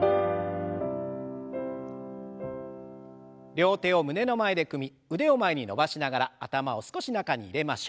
両手を胸の前で組み腕を前に伸ばしながら頭を少し中に入れましょう。